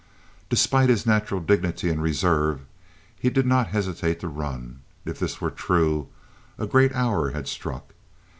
Despite his natural dignity and reserve, he did not hesitate to run. If this were true, a great hour had struck.